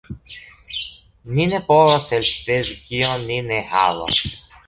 Ni ne povas elspezi kion ni ne havas.